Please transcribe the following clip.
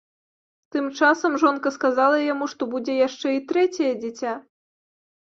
Тым часам жонка сказала яму, што будзе яшчэ і трэцяе дзіця.